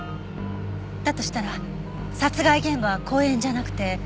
だとしたら殺害現場は公園じゃなくて。